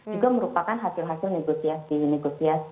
juga merupakan hasil hasil negosiasi negosiasi